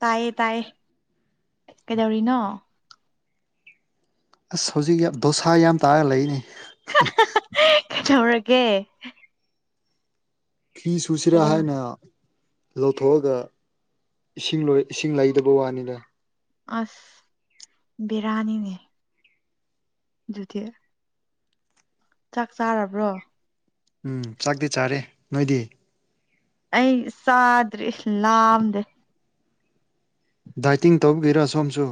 ꯇꯥꯏꯌꯦ ꯇꯥꯏꯌꯦ ꯀꯩꯗꯧꯔꯤꯅꯣ ꯑꯁ ꯍꯧꯖꯤꯛ ꯌꯥꯝ ꯗꯣꯁꯥ ꯌꯥꯝ ꯇꯥꯔꯒ ꯂꯩꯅꯦ ꯍꯥ ꯍ ꯥꯍꯥ ꯀꯩꯗꯧꯔꯒꯦ ꯐꯤ ꯁꯨꯁꯤꯔꯥ ꯀꯩꯗꯧꯔ ꯍꯥꯏꯅ ꯂꯧꯊꯣꯛꯑꯒ ꯏꯁꯤꯡ ꯂꯣꯏ ꯏꯁꯤꯡ ꯂꯩꯗꯕ ꯋꯥꯅꯤꯗ ꯑꯁ ꯕꯦꯔꯥꯅꯤꯅꯦ ꯗꯨꯗꯤ ꯆꯥꯛ ꯆꯥꯔꯕ꯭ꯔꯣ ꯎꯝ ꯆꯥꯛꯇꯤ ꯆꯥꯔꯦ ꯅꯣꯏꯗꯤ ꯑꯩ ꯆꯥꯗ꯭ꯔꯤ ꯂꯥꯝꯗꯦ ꯗꯥꯏꯇꯤꯡ ꯇꯧꯕꯒꯤꯔꯥ ꯁꯣꯝꯁꯨ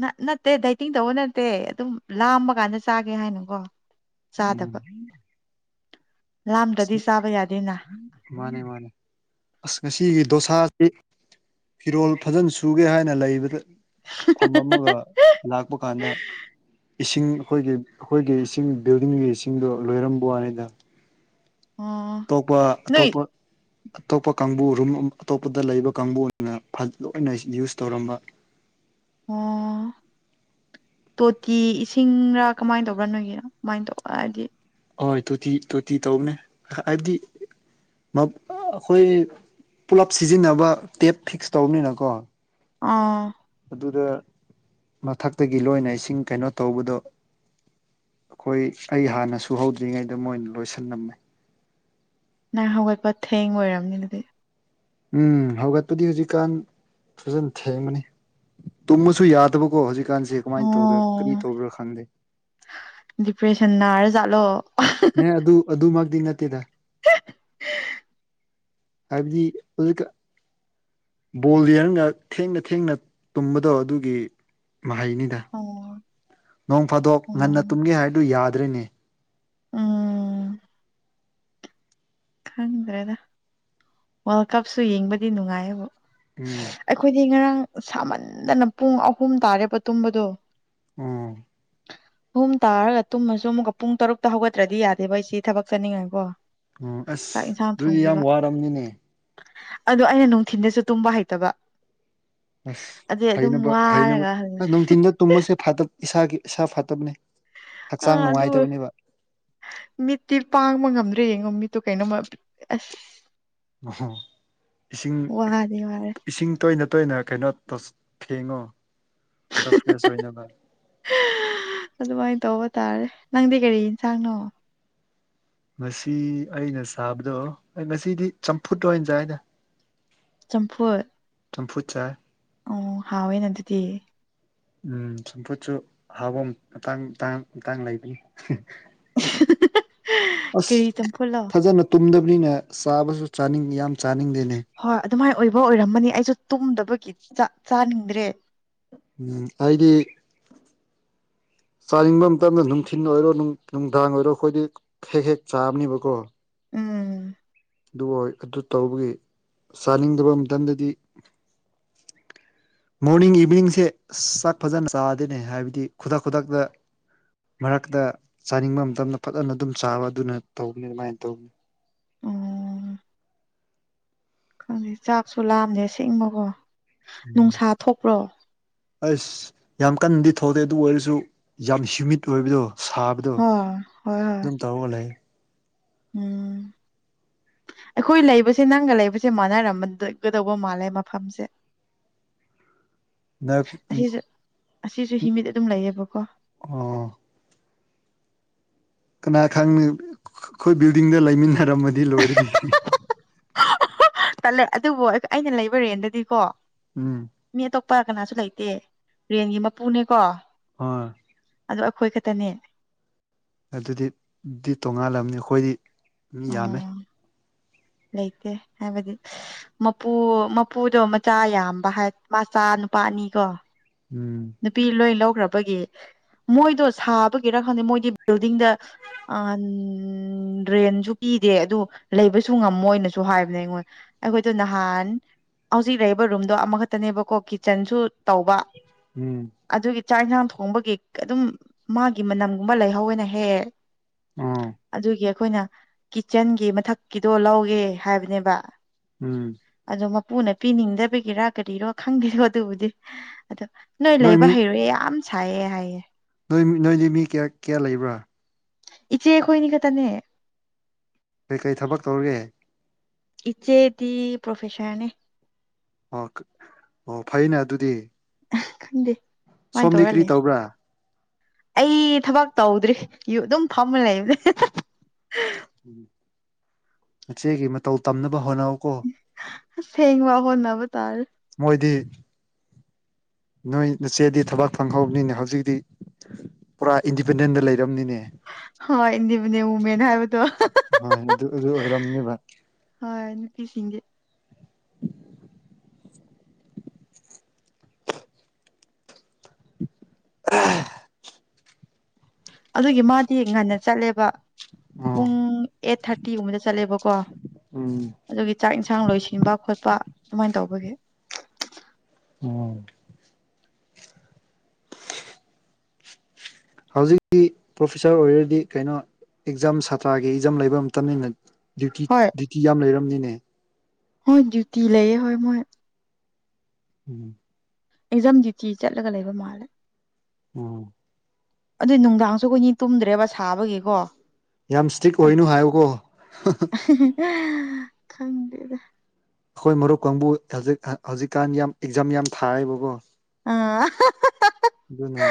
ꯅꯠ ꯅꯠꯇꯦ ꯗꯥꯏꯇꯤꯡ ꯇꯧꯕ ꯅꯠꯇꯦ ꯑꯗꯨꯝ ꯂꯥꯝꯕ ꯀꯥꯟꯗ ꯆꯥꯒꯦ ꯍꯥꯏꯅꯀꯣ ꯆꯥꯗꯕ ꯎꯝ ꯂꯥꯝꯗ꯭ꯔꯗꯤ ꯆꯥꯕ ꯌꯥꯗꯦꯅ ꯃꯥꯅꯦ ꯃꯥꯅꯦ ꯑꯁ ꯉꯁꯤꯒꯤ ꯗꯣꯁꯥꯗꯤ ꯐꯤꯔꯣꯜ ꯐꯖꯅ ꯁꯨꯒꯦ ꯍꯥꯏꯅ ꯂꯩꯕꯗ ꯐꯝꯃꯝꯃꯒ ꯂꯥꯛꯄ ꯀꯥꯟꯗ ꯏꯁꯤꯡ ꯑꯈꯣꯏꯒꯤ ꯑꯈꯣꯏꯒꯤ ꯏꯁꯤꯡ ꯕꯤꯜꯗꯤꯡꯒꯤ ꯏꯁꯤꯡꯗꯣ ꯂꯣꯏꯔꯝꯕ ꯋꯥꯅꯤꯗ ꯑꯣ ꯇꯣꯞꯄ ꯅꯣꯏ ꯑꯇꯣꯞꯄ ꯑꯇꯣꯞꯄ ꯀꯥꯡꯕꯨ ꯔꯨꯝ ꯑꯇꯣꯞꯄꯗ ꯂꯩꯕ ꯀꯥꯡꯕꯨꯅ ꯐ ꯂꯣꯏꯅ ꯌꯨꯁ ꯇꯧꯔꯝꯕ [inaudible] ꯑꯣ ꯇꯣꯇꯤ ꯏꯁꯤꯡꯔꯥ ꯀꯃꯥꯏꯟ ꯇꯧꯕ꯭ꯔꯥ ꯅꯣꯏꯒꯤ ꯀꯃꯥꯏꯟ ꯇꯧꯕ ꯍꯥꯏꯕꯗꯤ ꯑꯣꯏ ꯇꯣꯇꯤ ꯇꯣꯇꯤ ꯇꯧꯕꯅꯦ ꯍꯥꯏꯗꯤ ꯃ ꯑꯈꯣꯏ ꯄꯨꯂꯞ ꯁꯤꯖꯤꯟꯅꯕ ꯇꯦꯞ ꯐꯤꯛꯁ ꯇꯧꯕꯅꯤꯅꯀꯣ ꯑꯥ ꯑꯗꯨꯗ ꯃꯊꯛꯇꯒꯤ ꯂꯣꯏꯅ ꯏꯁꯤꯡ ꯀꯩꯅꯣ ꯇꯧꯕꯗꯣ ꯑꯈꯣꯏ ꯑꯩ ꯍꯥꯟꯅ ꯁꯨꯍꯧꯗ꯭ꯔꯤꯉꯩꯗ ꯃꯣꯏꯅ ꯂꯣꯏꯁꯜꯂꯝꯃꯦ ꯅꯪ ꯍꯧꯒꯠꯄ ꯊꯦꯡꯕ ꯑꯣꯏꯔꯝꯅꯤ ꯑꯗꯨꯗꯤ ꯎꯝ ꯍꯧꯒꯠꯄꯗꯤ ꯍꯧꯖꯤꯛꯀꯥꯟ ꯐꯖꯅ ꯊꯦꯡꯕꯅꯤ ꯇꯨꯃꯕꯁꯨ ꯌꯥꯗꯕꯀꯣ ꯍꯧꯖꯤꯛ ꯀꯥꯟꯁꯦ ꯀꯃꯥꯏꯟ ꯇꯧꯗꯣꯏ ꯀ꯭ꯔꯤ ꯑꯣ ꯇꯧꯔꯤꯔꯥ ꯈꯪꯗꯦ ꯗꯤꯄ꯭ꯔꯦꯁꯟ ꯅꯥꯔ ꯖꯥꯠꯂꯣ ꯍꯦ ꯑꯗꯨ ꯑꯗꯨꯃꯛꯇꯤ ꯅꯠꯇꯦꯗꯥ ꯍꯥꯏꯕꯗꯤ ꯍꯧꯖꯤꯛꯀ ꯕꯣꯜ ꯌꯦꯡꯉꯒ ꯊꯦꯡꯅ ꯊꯦꯡꯅ ꯇꯨꯝꯕꯗꯣ ꯑꯗꯨꯒꯤ ꯃꯍꯩꯅꯤꯗꯥ ꯑꯣ ꯅꯣꯡ ꯐꯥꯗꯣꯛ ꯉꯟꯅ ꯎꯝ ꯇꯨꯝꯒꯦ ꯍꯥꯏꯔꯗꯨ ꯌꯥꯗ꯭ꯔꯦꯅꯦ ꯎꯝ ꯈꯪꯗ꯭ꯔꯦꯗ ꯋꯥꯔꯜ ꯀꯞꯁꯨ ꯌꯦꯡꯕꯗꯤ ꯅꯨꯡꯉꯥꯏꯌꯦꯕꯣ ꯎꯝ ꯑꯩꯈꯣꯏꯗꯤ ꯉꯔꯥꯡ ꯁꯥꯃꯟꯗꯅ ꯄꯨꯡ ꯑꯍꯨꯝ ꯇꯥꯔꯦꯕ ꯇꯨꯝꯕꯗꯣ ꯎꯝ ꯍꯨꯝ ꯇꯥꯔꯒ ꯇꯨꯝꯃꯁꯨ ꯑꯃꯨꯛꯀ ꯄꯨꯡ ꯇꯔꯨꯛꯇ ꯍꯧꯒꯠꯇ꯭ꯔꯗꯤ ꯌꯥꯗꯦꯕ ꯑꯩꯁꯤ ꯊꯕꯛ ꯆꯠꯅꯤꯡꯉꯥꯏꯀꯣ ꯎꯝ ꯑꯁ ꯆꯥꯛ ꯏꯟꯁꯥꯡ ꯑꯗꯨꯗꯤ ꯌꯥꯝ ꯊꯣꯡꯕꯤꯕ ꯋꯥꯔꯝꯅꯤꯅꯦ ꯑꯗꯣ ꯑꯩꯅ ꯅꯨꯡꯊꯤꯟꯗꯁꯨ ꯇꯨꯝꯕ ꯍꯩꯇꯕ ꯑꯁ ꯑꯗꯨꯏ ꯑꯗꯨꯝ ꯍꯩꯅꯕ ꯍꯩꯅꯕ ꯋꯥꯔꯒ ꯑꯥ ꯅꯨꯡꯊꯤꯟꯗ ꯇꯨꯝꯕꯁꯦ ꯐꯇꯞ ꯏꯁꯥꯒꯤ ꯏꯁꯥ ꯐꯠꯇꯕꯅꯦ ꯍꯛꯆꯥꯡ ꯑꯥ ꯑꯗꯨ ꯅꯨꯡꯉꯥꯏꯇꯕꯅꯦꯕ ꯃꯤꯠꯇꯤ ꯄꯥꯡꯕ ꯉꯝꯗ꯭ꯔꯦ ꯌꯦꯡꯉꯣ ꯃꯤꯠꯇꯣ ꯀꯩꯅꯣꯃ ꯑꯁ ꯑꯣ ꯏꯁꯤꯡ ꯋꯥꯗꯤ ꯋꯥꯔꯦ ꯏꯁꯤꯡ ꯇꯣꯏꯅ ꯇꯣꯏꯅ ꯀꯩꯅꯣ ꯇꯧ ꯊꯦꯡꯉꯣ ꯈꯔ ꯐ꯭ꯔꯦꯁ ꯑꯣꯏꯅꯕ ꯑꯗꯨꯃꯥꯏꯅ ꯇꯧꯕ ꯇꯥꯔꯦ ꯅꯪꯗꯤ ꯀꯔꯤ ꯏꯟꯁꯥꯡꯅꯣ ꯉꯁꯤ ꯑꯩꯅ ꯆꯥꯕꯗꯣ ꯑꯩ ꯉꯁꯤꯗꯤ ꯆꯝꯐꯨꯠ ꯑꯣꯏꯅ ꯆꯥꯏꯗ ꯆꯝꯐꯨꯠ ꯆꯝꯐꯨꯠ ꯆꯥꯏ ꯑꯣ ꯍꯥꯋꯦꯅ ꯑꯗꯨꯗꯤ ꯎꯝ ꯆꯝꯐꯨꯠꯁꯨ ꯍꯥꯎꯕ ꯃꯇꯥꯡ ꯃꯇꯥꯡ ꯂꯩꯕꯅꯦ ꯑꯁ ꯀꯔꯤ ꯆꯝꯐꯨꯠꯂꯣ ꯐꯖꯅ ꯇꯨꯝꯗ ꯅꯤꯅ ꯆꯥꯕꯁꯨ ꯆꯥꯅꯤꯡ ꯌꯥꯝ ꯆꯥꯅꯤꯡꯗꯦꯅꯦ ꯍꯣꯏ ꯑꯗꯨꯃꯥꯏꯅ ꯑꯣꯏꯕ ꯑꯣꯏꯔꯝꯃꯅꯤ ꯑꯩꯁꯨ ꯇꯨꯝꯗꯕꯒꯤ ꯆꯥꯛ ꯆꯥꯅꯤꯡꯗ꯭ꯔꯦ ꯎꯝ ꯑꯩꯗꯤ ꯆꯥꯅꯤꯡꯕ ꯃꯇꯝꯗ ꯅꯨꯡꯊꯤꯟ ꯑꯣꯏꯔꯣ ꯅꯨꯡꯗꯥꯡ ꯑꯣꯏꯔꯣ ꯑꯈꯣꯏꯗꯤ ꯍꯦꯛ ꯍꯦꯛ ꯆꯥꯕꯅꯦꯕꯀꯣ ꯎꯝ ꯑꯗꯨꯕꯨ ꯑꯗꯨ ꯇꯧꯕꯒꯤ ꯆꯥꯅꯤꯡꯗꯕ ꯃꯇꯝꯗꯗꯤ ꯃꯣꯔꯅꯤꯡ ꯏꯚꯤꯅꯤꯡꯁꯦ ꯆꯥꯛ ꯐꯖꯅ ꯆꯥꯗꯦꯅꯦ ꯍꯥꯏꯕꯗꯤ ꯈꯨꯗꯛ ꯈꯨꯗꯛꯇ ꯃꯔꯛꯇ ꯆꯥꯅꯤꯡꯕ ꯃꯇꯝꯗ ꯐꯖꯅ ꯑꯗꯨꯝ ꯆꯥꯕ ꯑꯗꯨꯅ ꯇꯧꯅꯤ ꯑꯗꯨꯃꯥꯏꯅ ꯇꯧꯅꯤ ꯎꯝ ꯈꯪꯗꯦ ꯆꯥꯛꯁꯨ ꯂꯥꯝꯗꯦ ꯑꯁꯦꯡꯕꯀꯣ ꯅꯨꯡꯁꯥ ꯊꯣꯛꯄ꯭ꯔꯣ ꯑꯁ ꯌꯥꯝ ꯀꯟꯅꯗꯤ ꯊꯣꯛꯇꯦ ꯑꯗꯨ ꯑꯣꯏꯔꯁꯨ ꯌꯥꯝ ꯍ꯭ꯌꯨꯃꯤꯠ ꯑꯣꯏꯕꯗꯣ ꯁꯥꯕꯗꯣ ꯍꯣꯏ ꯍꯣꯏ ꯍꯣꯏ ꯑꯗꯨꯝ ꯇꯧꯔꯒ ꯂꯩ ꯎꯝ ꯑꯈꯣꯏ ꯂꯩꯕꯁꯦ ꯅꯪꯒ ꯂꯩꯕꯁꯦ ꯃꯥꯟꯅꯔꯝꯒꯗꯧꯕ ꯃꯥꯜꯂꯦ ꯃꯐꯝꯁꯦ [inaudible] ꯑꯁꯤꯁꯨ ꯑꯁꯤꯁꯨ ꯍꯤꯃꯤꯠ ꯑꯗꯨꯝ ꯂꯩꯌꯦꯕꯀꯣ ꯑꯣ ꯀꯅꯥ ꯈꯪꯅꯤ ꯑꯈꯣꯏ ꯕꯤꯜꯗꯤꯡꯗ ꯂꯩꯃꯤꯟꯅꯔꯝꯃꯗꯤ ꯂꯣꯏꯔꯦꯅꯤ ꯇꯜꯂꯦ ꯑꯗꯨꯕꯨ ꯑꯩꯅ ꯂꯩꯕ ꯔꯦꯟꯗꯗꯤꯀꯣ ꯎꯝ ꯅꯨꯄꯥ ꯀꯅꯥꯁꯨ ꯂꯩꯇꯦ ꯔꯦꯟꯒꯤ ꯃꯄꯨꯅꯦꯀꯣ ꯍꯣꯏ ꯑꯗꯨ ꯑꯈꯣꯏ ꯈꯛꯇꯅꯦ ꯑꯗꯨꯗꯤ ꯗꯤ ꯇꯣꯉꯥꯜꯂꯝꯃꯅꯤ ꯑꯈꯣꯏꯗꯤ ꯃꯤ ꯌꯥꯝꯃꯦ ꯎꯝ ꯂꯩꯇꯦ ꯍꯥꯏꯕꯗꯤ ꯃꯄꯨ ꯃꯄꯨꯗꯣ ꯃꯆꯥ ꯌꯥꯝꯕ ꯍꯥꯏ ꯃꯆꯥ ꯅꯨꯄꯥ ꯑꯅꯤ ꯀꯣ ꯎꯝ ꯅꯨꯄꯤ ꯂꯣꯏ ꯂꯧꯈ꯭ꯔꯕꯒꯤ ꯃꯣꯏꯗꯣ ꯁꯥꯕꯒꯤꯔꯥ ꯈꯪꯗꯦ ꯃꯣꯏꯗꯤ ꯕꯤꯜꯗꯤꯡꯗ ꯗ꯭ꯔꯦꯟꯁꯨ ꯄꯤ ꯄꯤꯗꯦ ꯑꯗꯨ ꯂꯩꯕꯁꯨ ꯉꯝꯃꯣꯏꯅꯁꯨ ꯍꯥꯏꯕꯅꯦ ꯑꯩꯉꯣꯟ ꯑꯈꯣꯏꯗꯣ ꯅꯍꯥꯟ ꯍꯧꯖꯤꯛ ꯂꯩꯔꯤꯕ ꯔꯨꯝꯗꯣ ꯑꯃꯈꯛꯇꯅꯦꯕꯀꯣ ꯀꯤꯠꯆꯟꯁꯨ ꯇꯧꯕ ꯎꯝ ꯑꯗꯨꯒꯤ ꯆꯥꯛ ꯏꯟꯁꯥꯡ ꯊꯣꯡꯕꯒꯤ ꯑꯗꯨꯝ ꯃꯥꯒꯤ ꯃꯅꯝꯒꯨꯝꯕ ꯂꯩꯍꯧꯋꯦꯅ ꯍꯦꯛ ꯍꯦꯛ ꯑꯣ ꯑꯗꯨꯒꯤ ꯑꯈꯣꯏꯅ ꯀꯤꯠꯆꯟꯒꯤ ꯃꯊꯛꯀꯤꯗꯣ ꯂꯧꯋꯦꯒꯦ ꯍꯥꯏꯕꯅꯦꯕ ꯎꯝ ꯄꯨꯅ ꯄꯤꯅꯤꯡꯗꯕꯒꯤꯔꯥ ꯀꯔꯤꯔꯣ ꯈꯪꯗꯦꯂꯣ ꯑꯗꯨꯕꯨꯗꯤ ꯑꯗꯣ ꯅꯣꯏ ꯂꯩꯕ ꯍꯩꯔꯣꯏꯑꯦ ꯌꯥꯝ ꯁꯥꯏꯌꯦ ꯍꯥꯏꯌꯦ ꯅꯣꯏ ꯅꯣꯏꯗꯤ ꯃꯤ ꯀ꯭ꯌꯥ ꯀ꯭ꯌꯥ ꯂꯩꯕ꯭ꯔꯥ ꯏꯆꯦ ꯑꯈꯣꯏꯅꯤ ꯈꯇꯅꯦ ꯀꯩ ꯀꯩ ꯊꯕꯛ ꯇꯧꯔꯒꯦ ꯏꯆꯦꯗꯤ ꯄ꯭ꯔꯣꯐꯦꯁꯔꯅꯦ ꯑꯣ ꯑꯣ ꯐꯩꯅꯦ ꯑꯗꯨꯗꯤ ꯈꯪꯗꯦ ꯀꯃꯥꯏꯅ ꯁꯣꯝ ꯗꯤ ꯇꯧꯔ ꯀ꯭ꯔꯤ ꯂꯩ ꯇꯧꯕ꯭ꯔꯥ ꯑꯩ ꯊꯕꯛ ꯇꯧꯗ꯭ꯔꯤ ꯌꯨꯝ ꯑꯗꯨꯝ ꯐꯝꯃ ꯂꯩꯕꯅꯦ ꯅꯆꯦꯒꯤ ꯃꯇꯧ ꯇꯝꯅꯕ ꯍꯣꯠꯅꯧꯀꯣ ꯑꯁꯦꯡꯕ ꯍꯣꯠꯅꯕ ꯇꯥꯔꯦ ꯃꯣꯏꯗꯤ ꯅꯣꯏ ꯅꯆꯦꯗꯤ ꯊꯕꯛ ꯐꯪꯍꯧꯕꯅꯤꯅ ꯍꯧꯖꯤꯛꯗꯤ ꯄꯨꯔꯥ ꯏꯟꯗꯤꯄꯦꯟꯗꯦꯟꯗ ꯂꯩ ꯔꯝꯅꯤꯅꯦ ꯍꯣꯏ ꯏꯟꯗꯤꯄꯦꯟꯗꯦꯟ ꯋꯨꯃꯦꯟ ꯍꯥꯏꯕꯗꯨ ꯍ ꯍ ꯍꯣꯏ ꯍ ꯑꯗꯨ ꯑꯗꯨ ꯑꯣꯏꯔꯝꯅꯦꯕ ꯍꯣꯏ ꯅꯨꯄꯤꯁꯤꯡꯖꯦ [inaudible] ꯑꯗꯨꯒꯤ ꯃꯥꯗꯤ ꯉꯟꯅ ꯆꯠꯂꯦꯕ ꯑꯣ ꯄꯨꯡ ꯑꯩꯠ ꯊꯥꯔꯇꯤꯒꯨꯝꯕꯗ ꯆꯠꯂꯦꯕꯀꯣ ꯎꯝ ꯑꯗꯨꯒꯤ ꯆꯥꯛ ꯏꯟꯁꯥꯡ ꯂꯣꯏꯁꯤꯟꯕ ꯈꯣꯠ ꯄꯥ ꯑꯗꯨꯃꯥꯏꯟ ꯇꯧꯕꯒꯤ ꯑꯣ ꯍꯧꯖꯤꯇꯤ ꯄ꯭ꯔꯣꯐꯦꯁꯥꯔ ꯑꯣꯏꯔꯗꯤ ꯀꯩꯅꯣ ꯑꯦꯛꯖꯥꯝ ꯁꯥꯇ꯭ꯔꯥꯒꯤ ꯑꯦꯛꯖꯥꯝ ꯂꯩꯕ ꯃꯇꯝꯅꯤꯅ ꯗ꯭ꯌꯨꯇꯤ ꯍꯣꯏ ꯗ꯭ꯌꯨꯇꯤ ꯌꯥꯝ ꯂꯩꯔꯝꯅꯤꯅꯦ ꯍꯣꯏ ꯗ꯭ꯨꯌꯇꯤ ꯂꯩꯌꯦ ꯍꯣꯏ ꯃꯣꯏ ꯎꯝ ꯑꯦꯛꯖꯥꯝ ꯗ꯭ꯌꯨꯇꯤ ꯆꯠꯂꯒ ꯂꯩꯕ ꯃꯥꯜꯂꯦ ꯑꯝ ꯑꯗꯨ ꯅꯨꯡꯗꯥꯡꯁꯨ ꯑꯈꯣꯏꯅꯤ ꯇꯨꯝꯗ꯭ꯔꯦꯕ ꯁꯥꯕꯒꯤꯀꯣ ꯌꯥꯝ ꯏꯁꯇ꯭ꯔꯤꯛ ꯑꯣꯏꯅꯨ ꯑꯗꯨ ꯍꯥꯏꯌꯨꯀꯣ ꯑꯍꯤ ꯍ ꯈꯪꯗꯦꯗ ꯑꯈꯣꯏ ꯃꯔꯨꯞ ꯀꯥꯡꯕꯨ ꯍꯧꯖꯤꯛ ꯍꯧꯖꯤꯛꯀꯥꯟ ꯌꯥꯝ ꯑꯦꯛꯖꯥꯝ ꯌꯥꯝ ꯊꯥꯔꯦꯕꯀꯣ ꯑ ꯑꯍ ꯍ ꯍ ꯑꯗꯨꯅ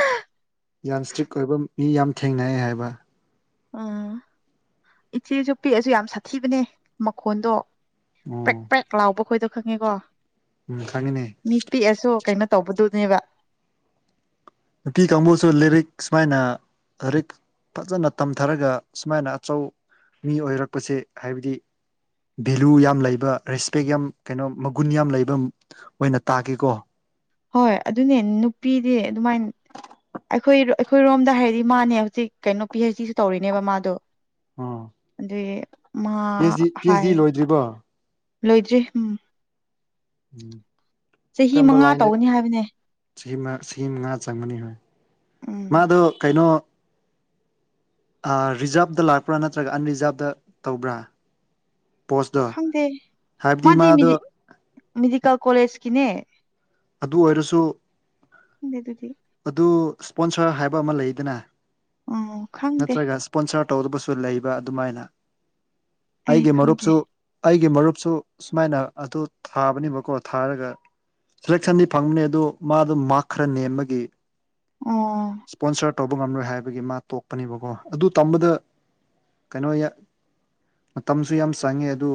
ꯌꯥꯝ ꯁꯇ꯭ꯔꯤꯛ ꯑꯣꯏꯕ ꯃꯤ ꯌꯥꯝ ꯊꯦꯡꯅꯩ ꯍꯥꯏꯕ ꯎꯝ ꯏꯆꯦꯁꯨ ꯄꯤꯛꯑꯁꯨ ꯌꯥꯝ ꯁꯥꯊꯤꯕꯅꯦ ꯃꯈꯣꯟꯗꯣ ꯄꯦꯛ ꯑꯣ ꯄꯦꯛ ꯂꯥꯎꯕ ꯈꯣꯏꯗꯣ ꯈꯪꯉꯦꯀꯣ ꯎꯝ ꯈꯪꯉꯤꯅꯦ ꯃꯤ ꯄꯤꯛꯑꯁꯨ ꯀꯩꯅꯣ ꯇꯧꯕꯗꯨꯅꯦꯕ ꯅꯨꯄꯤ ꯀꯥꯡꯕꯨꯁꯨ ꯂꯤꯔꯤꯛ ꯁꯨꯃꯥꯏꯅ ꯔꯤꯛ ꯐꯖꯅ ꯇꯝꯊꯔꯒ ꯁꯨꯃꯥꯏꯅ ꯑꯆꯧ ꯃꯤ ꯑꯣꯏꯔꯛꯄꯁꯦ ꯍꯥꯏꯕꯗꯤ ꯚꯦꯂꯨ ꯌꯥꯝ ꯂꯩꯕ ꯔꯦꯁꯄꯦꯛ ꯌꯥꯝ ꯀꯩꯅꯣ ꯃꯒꯨꯟ ꯌꯥꯝ ꯂꯩꯕ ꯑꯣꯏꯅ ꯇꯥꯒꯦꯀꯣ ꯍꯣꯏ ꯑꯗꯨꯅꯦ ꯅꯨꯄꯤꯗꯤ ꯑꯗꯨꯃꯥꯏꯟ ꯑꯈꯣꯏ ꯑꯈꯣꯏꯔꯣꯝꯗ ꯍꯥꯏꯔꯗꯤ ꯃꯥꯅꯦ ꯍꯧꯖꯤꯛ ꯀꯩꯅꯣ ꯄꯤ ꯑꯩꯩꯁ ꯗꯤꯁꯨ ꯇꯧꯔꯤꯅꯦꯕ ꯃꯥꯗꯣ ꯑꯝ ꯗꯤ ꯃꯥ ꯍꯥꯏ ꯂꯣꯏꯗ꯭ꯔꯤꯕꯣ ꯂꯣꯏꯗ꯭ꯔꯤ ꯎꯝ ꯆꯍꯤ ꯀꯔꯝꯕ ꯃꯉꯥ ꯂꯥꯏꯟꯗ ꯇꯧꯒꯅꯤ ꯍꯥꯏꯕꯅꯦ ꯆꯍꯤ ꯃꯉꯥ ꯆꯍꯤ ꯃꯉꯥ ꯆꯪꯕꯅꯤ ꯍꯣꯏ ꯎꯝ ꯃꯥꯗꯣ ꯀꯩꯅꯣ ꯑꯥꯔꯤꯖꯥꯕꯇ ꯂꯥꯛꯄ꯭ꯔꯥ ꯅꯠꯇ꯭ꯔꯒ ꯑꯟꯔꯤꯖꯥꯕꯇ ꯇꯧꯕ꯭ꯔꯥ ꯄꯣꯁꯇꯣ ꯈꯪꯗꯦ ꯍꯥꯏꯕꯗꯤ ꯃꯥꯗꯤ ꯃꯥꯗꯣ ꯃꯦꯗꯤ ꯃꯦꯗꯤꯀꯦꯜ ꯀꯣꯂꯦꯖꯀꯤꯅꯦ ꯑꯗꯨ ꯑꯣꯏꯔꯁꯨ ꯈꯪꯗꯦ ꯑꯗꯨꯗꯤ ꯑꯗꯨ ꯏꯁꯄꯣꯟꯁꯔ ꯍꯥꯏꯕ ꯑꯃ ꯂꯩꯗꯅ ꯑꯣ ꯈꯪꯗꯦ ꯅꯠꯇ꯭ꯔꯒ ꯏꯁꯄꯣꯟꯁꯔ ꯇꯧ ꯂꯩꯕ ꯑꯗꯨꯃꯥꯏꯅ ꯑꯩ ꯑꯩꯒꯤ ꯈꯪꯗꯦ ꯃꯔꯨꯞꯁꯨ ꯑꯩ ꯒꯤ ꯃꯔꯨꯞꯁꯨ ꯁꯨꯃꯥꯏꯅ ꯑꯗꯨ ꯊꯥꯕꯅꯦꯕꯀꯣ ꯊꯥꯔꯒ ꯁꯦꯂꯦꯛꯁꯟꯗꯤ ꯐꯪꯕꯅꯦ ꯑꯗꯣ ꯃꯥꯗꯣ ꯃꯥꯔꯛ ꯈꯔ ꯅꯦꯝꯕꯒꯤ ꯑꯣ ꯏꯁꯄꯣꯟꯁꯔ ꯇꯧꯕ ꯉꯝꯂꯣꯏ ꯍꯥꯏꯕꯒꯤ ꯃꯥ ꯇꯣꯛꯄꯅꯦꯕꯀꯣ ꯑꯗꯨ ꯇꯝꯕꯗ ꯀꯩꯅꯣ ꯃꯇꯝꯁꯨ ꯌꯥꯝ ꯆꯪꯉꯦ ꯑꯗꯨ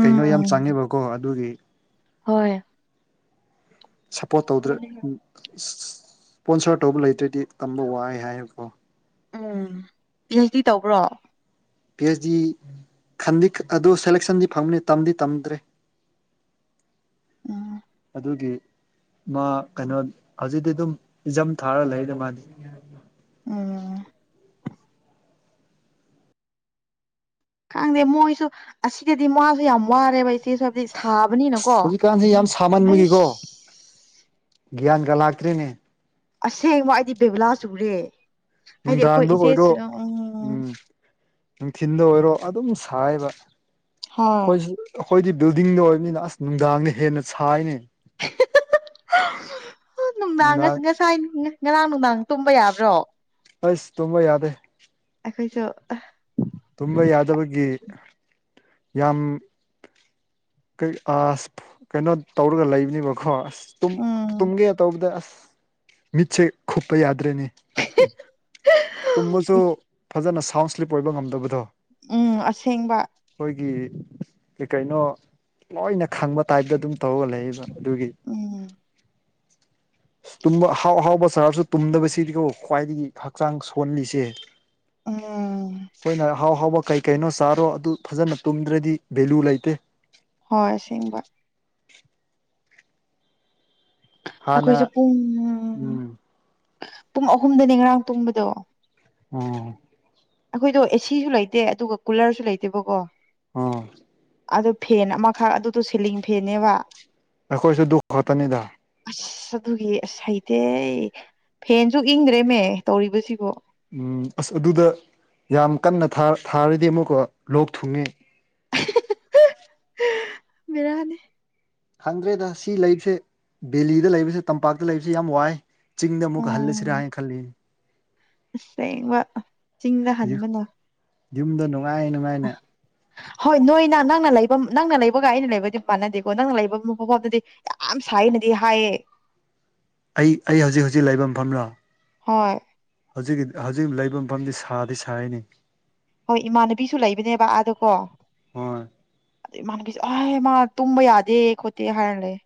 ꯀꯩꯅꯣ ꯌꯥꯝ ꯆꯪꯉꯦꯕꯀꯣ ꯑꯗꯨꯒꯤ ꯍꯣꯏ ꯁꯞꯄꯣꯔꯠ ꯇꯧꯗ꯭ꯔꯦ ꯎꯝ ꯁ꯭ꯄꯣꯟꯁꯔ ꯇꯧꯕ ꯂꯩꯇ꯭ꯔꯗꯤ ꯇꯝꯕ ꯋꯥꯏ ꯍꯥꯏꯕꯀꯣ ꯎꯝ ꯄꯤ ꯍꯩ꯭ꯁ ꯗꯤ ꯇꯧꯕ꯭ꯔꯣ ꯄꯤ ꯍꯩ꯭ꯁ ꯗꯤ ꯈꯟꯗꯤ ꯑꯗꯨ ꯁꯦꯂꯦꯛꯁꯟꯗꯤ ꯐꯪꯕꯅꯤ ꯇꯝꯗꯤ ꯇꯝꯗ꯭ꯔꯦ [inaudible] ꯎꯝ ꯗꯨꯒꯤ ꯃꯥ ꯀꯩꯅꯣ ꯍꯧꯖꯤꯛꯇꯤ ꯗꯨꯝ ꯏꯖꯝ ꯊꯥꯔ ꯂꯩꯗ ꯃꯥꯗꯤ ꯑꯣ ꯈꯪꯗꯦ ꯃꯣꯏꯁꯨ ꯑꯁꯤꯗꯗꯤ ꯃꯥꯖꯨ ꯌꯥꯝ ꯋꯥꯔꯦꯕ [unintelligible] ꯑꯁ ꯊꯥꯕꯅꯤꯅꯀꯣ ꯍꯧꯖꯤꯛꯀꯥꯟꯁꯦ ꯌꯥꯝ ꯁꯥꯃꯟꯕꯒꯤꯀꯣ ꯑꯩ꯭ꯁ ꯒ꯭ꯌꯥꯟꯒ ꯂꯥꯛꯇ꯭ꯔꯤꯅꯦ ꯑꯁꯦꯡꯕ ꯑꯩꯗꯤ ꯕꯦꯕꯨꯂꯥ ꯆꯨꯔꯦ ꯍꯥꯏꯗꯤ ꯑꯥꯈꯣꯏ ꯅꯨꯡꯗꯥꯡꯗ ꯏꯆꯦ ꯑꯣꯏꯔꯣ ꯎꯝ ꯎꯝ ꯎꯝ ꯎꯝ ꯅꯨꯡꯊꯤꯟꯗ ꯑꯣꯏꯔꯣ ꯑꯗꯨꯝ ꯁꯥꯏꯕ ꯍꯣꯏ ꯍꯣꯏꯁꯨ ꯈꯣꯏꯗꯤ ꯕꯤꯜꯗꯤꯡꯗ ꯑꯣꯏꯕꯅꯤꯅ ꯑꯁ ꯅꯨꯡꯗꯥꯡꯅ ꯍꯦꯟꯅ ꯁꯥꯏꯅꯦ [unintelligible] ꯅꯨꯡꯗꯥꯡ ꯉꯁꯥꯏ ꯉꯔꯥꯡ ꯅꯨꯡꯗꯥꯡ ꯇꯨꯝꯕ ꯌꯥꯕ꯭ꯔꯣ ꯑꯁ ꯇꯨꯝꯕ ꯌꯥꯗꯦ ꯑꯩꯈꯣꯏꯁꯨ ꯑꯥ ꯇꯨꯝꯕ ꯌꯥꯗꯕꯒꯤ ꯌꯥꯝ ꯑꯁ ꯀꯩꯅꯣ ꯇꯧꯔꯒ ꯂꯩꯕꯅꯦꯕꯀꯣ ꯑꯁ ꯇꯨꯝ ꯎꯝ ꯇꯨꯝꯒꯦ ꯇꯧꯕꯗ ꯑꯁ ꯃꯤꯠꯁꯦ ꯈꯨꯞꯄ ꯌꯥ ꯗ꯭ꯔꯦꯅꯤ ꯇꯨꯝꯕꯁꯨ ꯐꯖꯅ ꯁꯥꯎꯟ ꯁ꯭ꯂꯤꯞ ꯑꯣꯏꯕ ꯉꯝꯗꯕ ꯎꯝ ꯑꯁꯦꯡꯕ ꯀꯩ ꯀꯩꯅꯣ ꯂꯣꯏꯅ ꯈꯪꯕ ꯇꯥꯏꯞꯇ ꯑꯗꯨꯝ ꯇꯧꯒ ꯂꯩꯌꯦꯕ ꯑꯗꯨꯒꯤ ꯎꯝ ꯇꯨꯝꯕ ꯑꯍꯥꯎ ꯑꯍꯥꯎꯕ ꯆꯥꯔꯁꯨ ꯇꯨꯝꯗꯕꯁꯤꯗꯤꯀꯣ ꯈ꯭ꯋꯥꯏꯗꯒꯤ ꯍꯛꯆꯥꯡ ꯁꯣꯜꯂꯤꯁꯦ ꯎꯝ ꯈꯣꯏꯅ ꯑꯍꯥꯎ ꯍꯥꯎꯕ ꯀꯩ ꯀꯩꯅꯣ ꯆꯥꯔꯣ ꯑꯗꯨ ꯐꯖꯅ ꯇꯨꯝꯗ꯭ꯔꯗꯤ ꯚꯦꯂꯨ ꯂꯩꯇꯦ ꯍꯣꯏ ꯁꯤꯡꯕ ꯍꯥꯟꯅ ꯑꯥꯈꯣꯏꯁꯨ ꯄꯨꯡ ꯎꯝ ꯄꯨꯡ ꯑꯍꯨꯝꯗꯅꯦ ꯉꯔꯥꯡ ꯇꯣꯝꯕꯗꯣ ꯎꯝ ꯑꯩꯈꯣꯏꯗꯣ ꯑꯦꯁꯤꯁꯨ ꯂꯩꯇꯦ ꯑꯗꯨꯒ ꯀꯨꯂꯔꯁꯨ ꯂꯩꯇꯦꯕꯀꯣ ꯑꯥ ꯑꯗꯨ ꯐꯦꯟ ꯑꯃꯈꯛ ꯑꯗꯨꯗꯣ ꯁꯤꯂꯤꯡ ꯐꯦꯟꯅꯦꯕ ꯑꯩꯈꯣꯏꯁꯨ ꯗꯨ ꯈꯛꯇꯅꯤꯗ ꯑꯁ ꯑꯗꯨꯒꯤ ꯑꯁ ꯍꯩꯇꯦ ꯍꯦ ꯐꯦꯟꯁꯨ ꯏꯪꯗ꯭ꯔꯦꯃꯦ ꯇꯧꯔꯤꯕꯁꯤꯕꯣ ꯎꯝ ꯑꯁ ꯑꯗꯨꯗ ꯌꯥꯝ ꯀꯟꯅ ꯊꯥ ꯊꯥꯔꯗꯤ ꯑꯃꯨꯛꯀ ꯂꯣꯛ ꯊꯨꯡꯉꯦ [unintelligible] ꯕꯦꯔꯥꯅꯤ ꯈꯪꯗ꯭ꯔꯦꯗ ꯁꯤ ꯂꯩꯕꯁꯦ ꯗꯦꯂꯤꯗ ꯂꯩꯕꯁꯦ ꯇꯝꯄꯥꯛꯇ ꯂꯩꯕꯁꯦ ꯌꯥꯝ ꯋꯥꯏ ꯆꯤꯡꯗ ꯑꯃꯨꯛ ꯎꯝ ꯍꯜꯂꯁꯤꯔ ꯈꯜꯂꯤ ꯑꯁꯦꯡꯕ ꯆꯤꯡꯗ ꯍꯟꯕꯅ ꯌꯨꯝꯗ ꯅꯨꯡꯉꯥꯏ ꯅꯨꯡꯉꯥꯏꯅ ꯍꯣꯏ ꯅꯣꯏꯅ ꯅꯪꯅ ꯂꯩꯕ ꯅꯪꯅ ꯂꯩꯕꯒ ꯑꯩꯅ ꯂꯩꯕꯗꯤ ꯃꯥꯟꯅꯗꯦꯀꯣ ꯅꯪꯅ ꯂꯩꯕ ꯃꯐꯝꯗꯨꯗꯤ ꯌꯥꯝ ꯁꯥꯏꯅꯗꯤ ꯍꯥꯏꯌꯦ ꯑꯩ ꯑꯩ ꯍꯨꯖꯤꯛ ꯍꯨꯖꯤꯛ ꯂꯩꯕ ꯃꯐꯝꯔꯣ ꯍꯣꯏ ꯍꯧꯖꯤꯛꯀꯤ ꯍꯧꯖꯤꯛ ꯂꯩꯕ ꯃꯐꯝꯗꯤ ꯁꯥꯗꯤ ꯁꯥꯏꯅꯦ ꯍꯣꯏ ꯏꯃꯥꯟꯅꯕꯤꯁꯨ ꯂꯩꯕꯅꯦꯕ ꯑꯥꯗꯀꯣ ꯍꯣꯏ ꯏꯃꯅꯕꯤꯁꯨ ꯑꯥꯏ ꯃꯥ ꯇꯨꯝꯕ ꯌꯥꯗꯦ ꯈꯣꯠꯇꯦ ꯍꯥꯏꯔ ꯂꯩ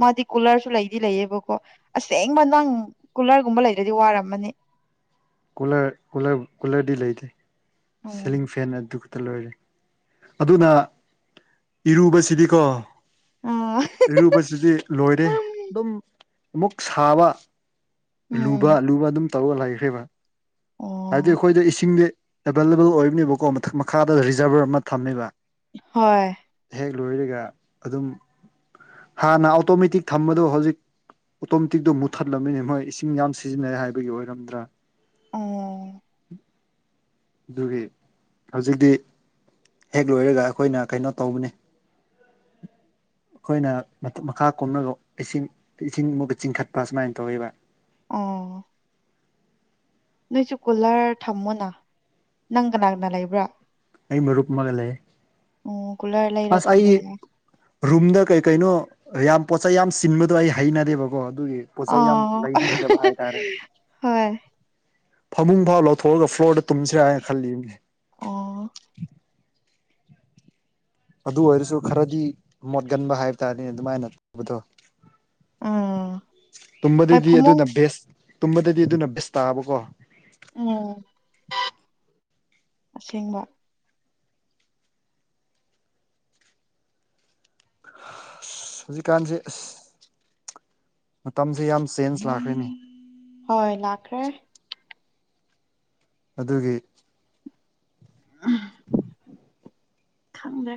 ꯃꯥꯗꯤ ꯀꯨꯂꯔꯁꯨ ꯂꯩꯗꯤ ꯂꯩꯌꯦꯕꯀꯣ ꯑꯁꯦꯡꯕ ꯅꯪ ꯀꯨꯂꯔꯒꯨꯝꯕ ꯂꯩꯇ꯭ꯔꯗꯤ ꯋꯥꯔꯝꯃꯅꯤ ꯨꯀꯨꯂꯔ ꯀꯨꯂꯔ ꯀꯨꯂꯔꯗꯤ ꯂꯩꯇꯦ ꯁꯤꯂꯤꯡ ꯎꯝ ꯐꯦꯟ ꯑꯗꯨ ꯂꯣꯏꯔꯦ ꯑꯗꯨꯅꯥ ꯏꯔꯨꯕꯁꯤꯗꯤꯀꯣ ꯑꯥ ꯏꯔꯨꯕꯁꯤꯗꯤ ꯂꯣꯏꯔꯦ ꯑꯗꯨꯝ ꯑꯃꯨꯛ ꯁꯥꯕ ꯂꯨꯕ ꯎꯝ ꯂꯨꯕ ꯑꯗꯨꯝ ꯇꯧꯔꯒ ꯂꯩꯈ꯭ꯔꯦꯕꯥ ꯍꯥꯏꯕꯗꯤ ꯑꯣ ꯑꯩꯈꯣꯏꯗ ꯏꯁꯤꯡꯗꯤ ꯑꯦꯕꯥꯏꯂꯦꯕꯜ ꯑꯣꯏꯕꯅꯦꯕꯀꯣ ꯃꯊꯛ ꯃꯈꯥꯗ ꯔꯤꯖꯥꯚꯔ ꯑꯃ ꯊꯝꯃꯦꯕꯥ ꯍꯣꯏ ꯍꯦꯛ ꯂꯣꯏꯔꯒ ꯑꯗꯨꯝ ꯍꯥꯟꯅ ꯑꯣꯇꯣꯃꯦꯇꯤꯛ ꯊꯝꯕꯗꯣ ꯍꯧꯖꯤꯛ ꯑꯣꯇꯣꯃꯦꯇꯤꯛꯇꯣ ꯃꯨꯠꯊꯠꯂꯝꯃꯦꯅꯦ ꯃꯣꯏ ꯏꯁꯤꯡ ꯌꯥꯝ ꯁꯤꯖꯤꯟꯅꯔꯦ ꯍꯥꯏꯕꯒꯤ ꯑꯣꯏꯔꯝꯗ꯭ꯔꯥ ꯑꯣ ꯗꯨꯒꯤ ꯍꯧꯖꯤꯛꯇꯤ ꯍꯦꯛ ꯂꯣꯏꯔꯒ ꯑꯩꯈꯣꯏꯅ ꯀꯩꯅꯣ ꯇꯧꯕꯅꯦ ꯑꯩꯈꯣꯏꯅ ꯃꯊꯛ ꯃꯈꯥ ꯀꯣꯝꯂꯒ ꯏꯁꯤꯡ ꯏꯁꯤꯡ ꯃꯨꯛꯀ ꯆꯤꯡꯈꯠꯄ ꯁꯨꯃꯥꯏꯅ ꯇꯧꯌꯦꯕ ꯑꯣ ꯅꯣꯏꯁꯨ ꯀꯨꯂꯔ ꯊꯝꯃꯣꯅꯥ ꯅꯪ ꯀꯅꯥ ꯀꯅꯥ ꯂꯩꯕ꯭ꯔꯥ ꯑꯩ ꯃꯔꯨꯨꯞ ꯑꯃꯒ ꯂꯩꯌꯦ ꯑꯣ ꯀꯨꯂꯔ ꯂꯩꯔ ꯑꯁ ꯑꯩ ꯊꯝꯕ ꯌꯥꯏ ꯔꯨꯝꯗ ꯀꯩ ꯀꯩꯅꯣ ꯌꯥꯝ ꯄꯣꯠꯆꯩ ꯌꯥꯝ ꯆꯤꯟꯕꯗꯣ ꯑꯩ ꯍꯩꯅꯗꯦꯕꯀꯣ ꯗꯨꯒꯤ ꯄꯣꯠꯆꯩ ꯌꯥꯝ ꯑꯣ ꯂꯩꯅꯤꯡꯗꯕ ꯍꯥꯏꯇꯥꯔꯦ ꯍꯣꯏ ꯐꯃꯨꯡ ꯐꯥꯎ ꯂꯧꯊꯣꯛꯑꯒ ꯐ꯭ꯂꯣꯔꯗ ꯇꯨꯝꯁꯤꯔꯥ ꯍꯥꯏꯅ ꯈꯜꯂꯤꯕꯅꯤ ꯑꯣ ꯑꯗꯨ ꯑꯣꯏꯔꯁꯨ ꯈꯔꯗꯤ ꯃꯣꯠꯒꯟꯕ ꯍꯥꯏꯕ ꯇꯥꯔꯦꯅꯦ ꯑꯗꯨꯃꯥꯏꯅ ꯇꯧꯕꯗꯣ ꯎꯝ ꯍꯣꯏ ꯇꯨꯝꯕꯗꯗꯤ ꯐꯃꯨꯡ ꯑꯗꯨꯅ ꯕꯦꯁ ꯇꯨꯝꯕꯗꯗꯤ ꯑꯗꯨꯅ ꯕꯦꯁ ꯇꯥꯕꯀꯣ ꯎꯝ ꯑꯁꯦꯡꯕ ꯍꯧꯖꯤꯛꯀꯥꯟꯖꯦ ꯑꯁ ꯃꯇꯝꯖꯦ ꯌꯥꯝ ꯆꯦꯟꯖ ꯂꯥꯛꯈ꯭ꯔꯦꯅꯦ ꯍꯣꯏ ꯂꯥꯛꯈ꯭ꯔꯦ ꯑꯗꯨꯒꯤ ꯈꯪꯗ꯭ꯔꯦ